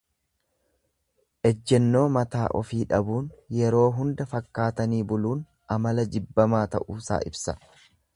Ejjennoo mataa ofii dhabuun, yeroo hunda fakkaatanii buluun amala jibbamaa ta'uusaa ibsa.